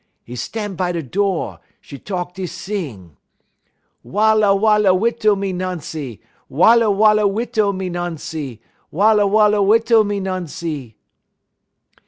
'E stan' by da do'; 'e talk dis sing: "'_Walla walla witto, me Noncy, Walla walla witto, me Noncy, Walla walla witto, me Noncy!